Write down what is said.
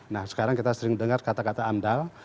nah sekarang kita sering dengar kata kata amdal